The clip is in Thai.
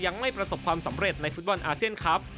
ยังไม่ประสบความสำเร็จในฟุตบอลอาเซียนครับ